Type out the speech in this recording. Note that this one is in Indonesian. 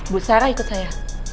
bu sarah ikut saya